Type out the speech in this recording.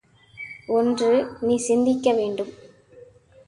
ஒன்று நீ சிந்திக்க வேண்டும்.